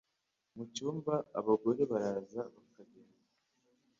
Mucyumba abagore baraza bakagenda